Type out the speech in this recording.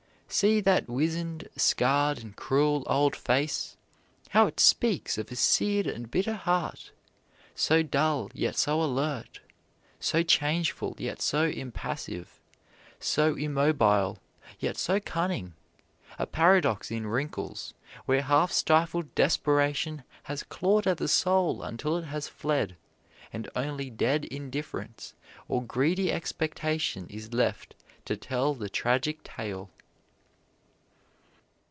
See that wizened, scarred and cruel old face how it speaks of a seared and bitter heart! so dull yet so alert, so changeful yet so impassive, so immobile yet so cunning a paradox in wrinkles, where half stifled desperation has clawed at the soul until it has fled, and only dead indifference or greedy expectation is left to tell the tragic tale.